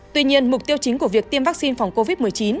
tuy nhiên mục tiêu chính của việc tiêm vaccine phòng covid một mươi chín